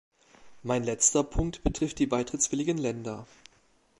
Mein letzter Punkt betrifft die beitrittswilligen Länder.